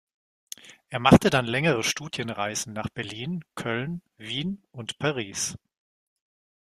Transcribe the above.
Er machte dann längere Studienreisen nach Berlin, Köln, Wien und Paris.